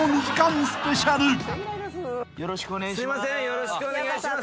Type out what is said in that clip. よろしくお願いします。